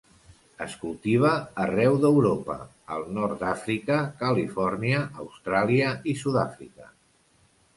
Es cultiva arreu d'Europa, al nord d'Àfrica, Califòrnia, Austràlia i Sud-àfrica.